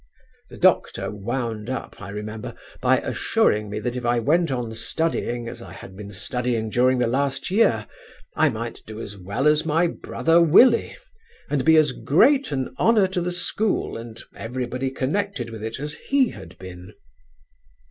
The doctor wound up, I remember, by assuring me that if I went on studying as I had been studying during the last year I might yet do as well as my brother Willie, and be as great an honour to the school and everybody connected with it as he had been.